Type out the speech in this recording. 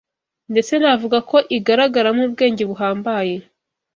ndetse navuga ko igaragaramo ubwenge buhambaye